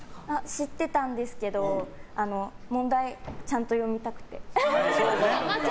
知ってたんですけど問題ちゃんと読みたくて。